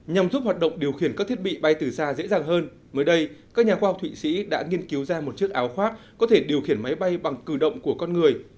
nhằm giúp hoạt động điều khiển các thiết bị bay từ xa dễ dàng hơn mới đây các nhà khoa học thụy sĩ đã nghiên cứu ra một chiếc áo khoác có thể điều khiển máy bay bằng cử động của con người